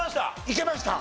いけました。